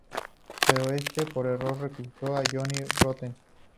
Pero este, por error, reclutó a Johnny Rotten.